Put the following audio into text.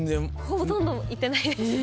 ほとんど行ってないです。